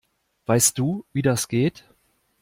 Weißt du, wie das geht?